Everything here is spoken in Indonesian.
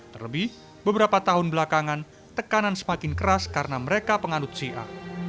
terlebih beberapa tahun belakangan tekanan semakin keras karena mereka pengandut sia